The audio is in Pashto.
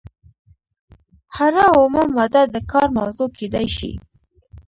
هره اومه ماده د کار موضوع کیدای شي.